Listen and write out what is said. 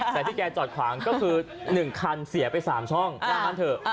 แต่ที่แกจอดขวางก็คือ๑คันเสียไป๓ช่องว่างั้นเถอะ